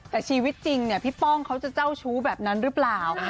แต่ชีวิตจริงเนี่ยพี่ป้องเขาจะเจ้าชู้แบบนั้นหรือเปล่า